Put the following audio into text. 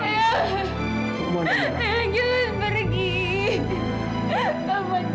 ayah ayah tolong jangan pergi ayah